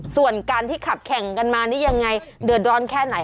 ส่วนการที่ขับแข่งกันมานี่ยังไงเดือดร้อนแค่ไหน